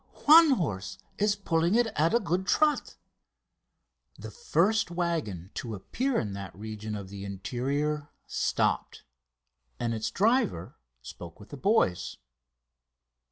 One horse is pulling it at a good trot!" The first waggon to appear in that region of the interior stopped, and its driver spoke with the boys.